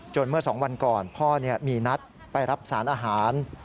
เมื่อ๒วันก่อนพ่อมีนัดไปรับสารอาหาร